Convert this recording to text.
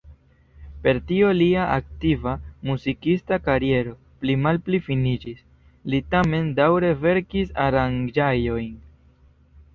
Per tio lia aktiva muzikista kariero pli malpli finiĝis; li tamen daŭre verkis aranĝaĵojn.